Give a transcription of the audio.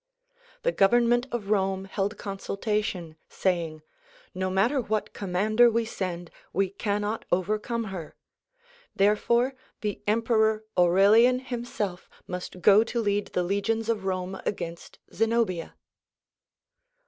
The government of Rome held consultation, saying "No matter what commander we send we cannot overcome her; therefore the Emperor Aurelian himself must go to lead the legions of Rome against Zenobia."